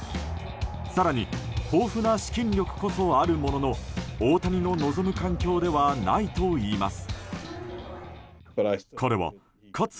更に、豊富な資金力こそあるものの大谷の望む環境ではないといいます。